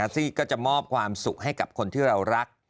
ซี่ก็จะมอบความสุขให้กับคนที่เรารัก